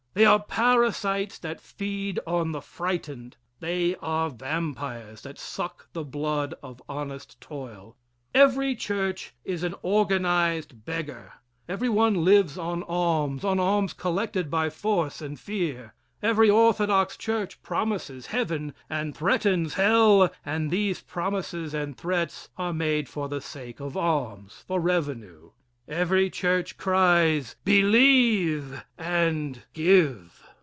They are parasites that feed on the frightened. They are vampires that suck the blood of honest toil. Every church is an organized beggar. Every one lives on alms on alms collected by force and fear. Every orthodox church promises heaven and threatens hell, and these promises and threats are made for the sake of alms, for revenue. Every church cries: "Believe and give."